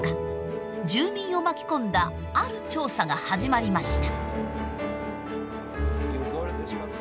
住民を巻き込んだある調査が始まりました。